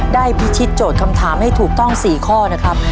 พิชิตโจทย์คำถามให้ถูกต้อง๔ข้อนะครับ